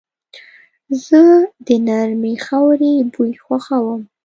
زه د نرمې خاورې بوی خوښوم.